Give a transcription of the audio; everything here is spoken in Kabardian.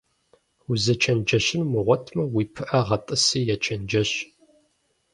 Узэчэнджэщын умыгъуэтмэ, уи пыӀэ гъэтӏыси ечэнджэщ.